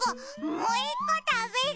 もういっこたべる！